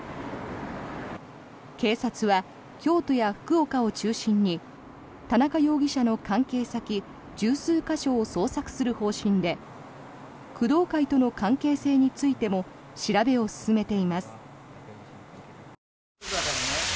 警察は京都や福岡を中心に田中容疑者の関係先１０数か所を捜索する方針で工藤会との関係性についても調べを進めています。